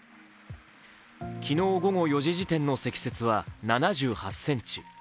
昨日午後４時時点の積雪は７８ｃｍ。